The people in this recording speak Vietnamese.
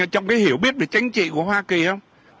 trong cái hiểu biết về chính trị của hoa kỳ không